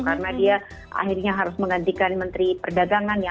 karena dia akhirnya harus menggantikan menteri perdagangan ya